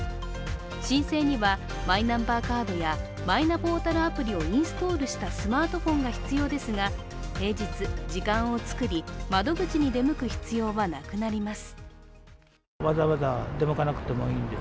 申請にはマイナンバーカードやマイナポータルアプリをインストールしたスマートフォンが必要ですが、平日、時間を作り窓口に出向く必要はなくなります。